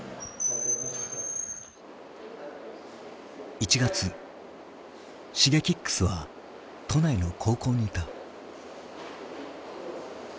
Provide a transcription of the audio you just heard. １月Ｓｈｉｇｅｋｉｘは都内の高校にいた。